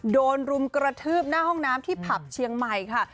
รุมกระทืบหน้าห้องน้ำที่ผับเชียงใหม่ค่ะ